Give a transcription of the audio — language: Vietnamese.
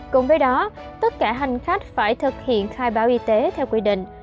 cùng với đó tất cả hành khách phải thực hiện khai báo y tế theo quy định